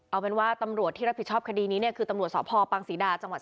เอาเป็นว่าตำรวจที่รับผิดชอบคดีนี้